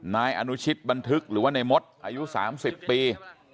นายอนุชิตบันทึกหรือว่าในมดอายุ๓๐ปี